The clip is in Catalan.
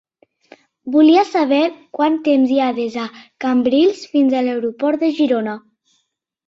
Volia saber quant temps hi ha des de Cambrils fins a l'aeroport de Girona.